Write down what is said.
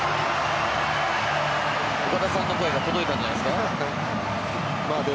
岡田さんの声が届いたんじゃないですか。